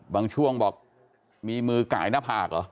บางช่วงบอกมีมือกายหน้าผากเหรอ